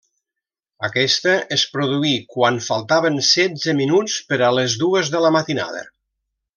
Aquesta es produí quan faltaven setze minuts per a les dues de la matinada.